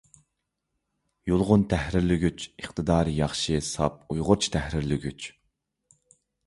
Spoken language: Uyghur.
يۇلغۇن تەھرىرلىگۈچ — ئىقتىدارى ياخشى، ساپ ئۇيغۇرچە تەھرىرلىگۈچ.